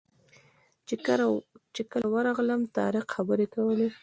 چې کله ورغلم طارق خبرې کولې.